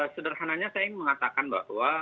sederhananya saya mengatakan bahwa